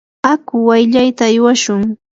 aku wayllayta aywashun.